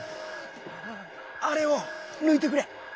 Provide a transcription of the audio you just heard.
「あれ」をぬいてくれ。